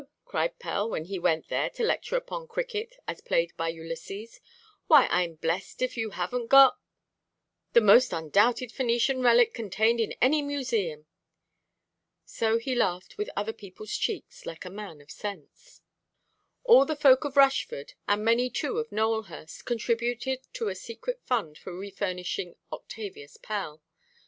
cried Pell, when he went there to lecture upon cricket as played by Ulysses, "why, Iʼm blessed if you havenʼt got——" "The most undoubted Phœnician relic contained in any museum!" So he laughed with other peopleʼs cheeks, like a man of sense. All the folk of Rushford, and many too of Nowelhurst, contributed to a secret fund for refurnishing Octavius Pell.